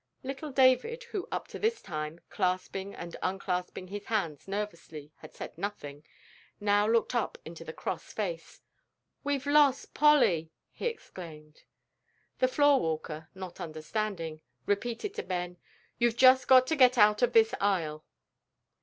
Little David, who up to this time, clasping and unclasping his hands nervously, had said nothing, now looked up into the cross face. "We've lost Polly," he exclaimed. The floor walker, not understanding, repeated to Ben, "You've just got to get out of this aisle."